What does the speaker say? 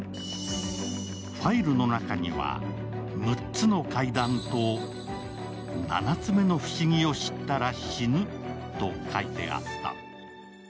ファイルの中には６つの怪談と「七つ目の不思議を知ったら死ぬ」と書いてあった。